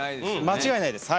間違いないです。